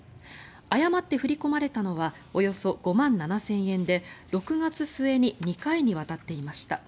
誤って振り込まれたのはおよそ５万７０００円で６月末に２回にわたっていました。